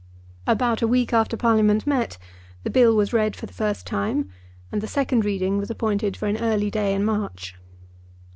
About a week after Parliament met the Bill was read for the first time, and the second reading was appointed for an early day in March.